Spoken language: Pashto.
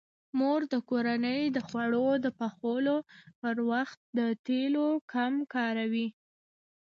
مور د کورنۍ د خوړو د پخولو په وخت د تیلو کم کاروي.